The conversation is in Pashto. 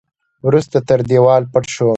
وروسته تر دېوال پټ شو.